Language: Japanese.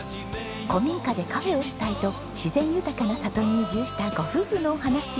古民家でカフェをしたいと自然豊かな里に移住したご夫婦のお話。